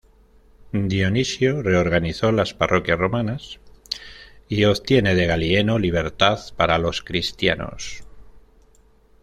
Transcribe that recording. Dionisio reorganizó las parroquias romanas y obtiene de Galieno libertad para los cristianos.